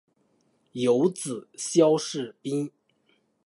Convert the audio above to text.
有子萧士赟。